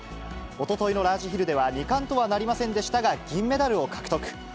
おとといのラージヒルでは、２冠とはなりませんでしたが、銀メダルを獲得。